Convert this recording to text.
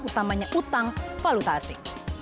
utamanya utang valutasi